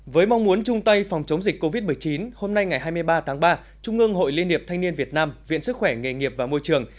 với mong muốn chung tay phòng chống dịch covid một mươi chín hôm nay ngày hai mươi ba tháng ba trung ương hội liên hiệp thanh niên việt nam viện sức khỏe nghề nghiệp và môi trường